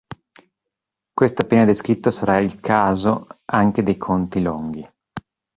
Questo appena descritto sarà il caso anche dei conti Longhi.